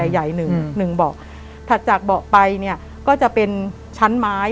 ใหญ่๑เหมาะถ้าจากเหมาะไปเนี่ยก็จะเป็นชั้นไม้